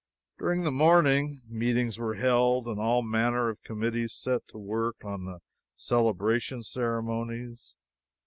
During the morning, meetings were held and all manner of committees set to work on the celebration ceremonies.